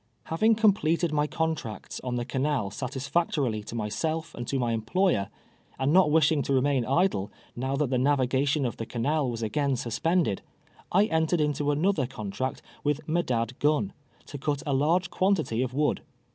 Having completed my contracts on the canal satis factorily to myself and to my employer, and not wish ing to remain idle, now that the navigation of the ca nal was again suspended, I entered into another con tract with Medad Gunn, to cut a large quantity of wood.